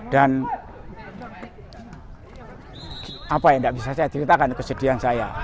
dan apa yang tidak bisa saya ceritakan kesedihan saya